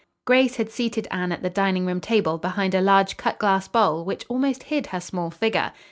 Grace had seated Anne at the dining room table behind a large cut glass bowl which almost hid her small figure.